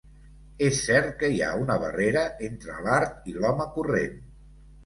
És cert que hi ha una barrera entre l'art i l'home corrent.